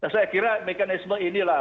saya kira mekanisme inilah